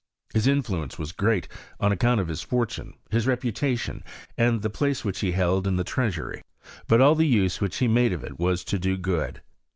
His influence was great, on account of hie fortune, his reputation, and the place which he held in th(! treasury; but all the use which he made of it was to do good.